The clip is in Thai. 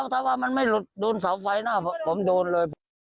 ถ้าว่ามันไม่หลุดโดนเสาไฟหน้าผมโดนเลย